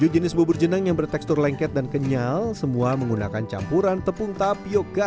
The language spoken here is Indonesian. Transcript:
tujuh jenis bubur jenang yang bertekstur lengket dan kenyal semua menggunakan campuran tepung tapioca